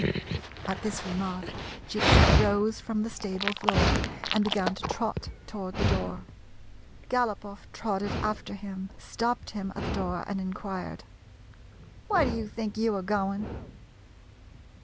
At this remark Gypsy rose from the stable floor, and began to trot toward the door. 81 GYPSY, THE TALKING DOG Galopoff trotted after him, stopped him at the door and inquired :" AVliere did you think you were going